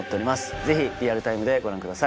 ぜひリアルタイムでご覧ください